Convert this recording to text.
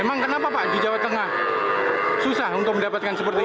emang kenapa pak di jawa tengah susah untuk mendapatkan seperti ini